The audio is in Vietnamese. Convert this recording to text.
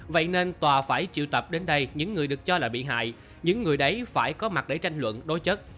vậy nên tòa phải triệu tập đến đây những người được cho là bị hại những người đấy phải có mặt để tranh luận đối chất